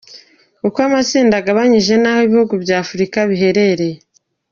Uko amatsinda agabanyije n’aho ibihugu bya Afurika biherereye